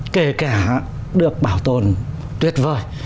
kể cả được bảo tồn tuyệt vời